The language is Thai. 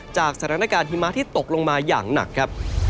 จากสถานการณ์หิมะที่ตกลงมาอย่างหนักครับ